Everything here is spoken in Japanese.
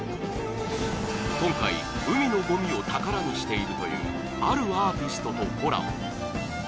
今回、海のごみを宝にしているというあるアーティストとコラボ。